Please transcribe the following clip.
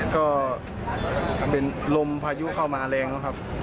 ก็เป็นลมพายุเข้ามาแรงแล้วครับ